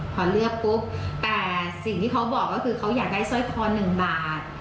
แต่สิ่งที่เขาบอกก็คือเขาอยากได้ซ่อยฟอร์๑บาท